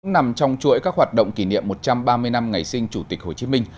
nằm trong chuỗi các hoạt động kỷ niệm một trăm ba mươi năm ngày sinh chủ tịch hồ chí minh